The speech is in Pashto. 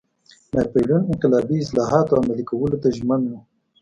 ناپلیون انقلابي اصلاحاتو عملي کولو ته ژمن و.